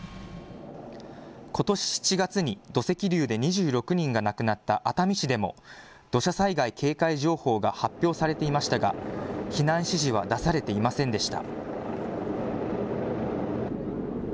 ことし７月に土石流で２６人が亡くなった熱海市でも土砂災害警戒情報が発表されていましたが避難指示は出されていませんでした。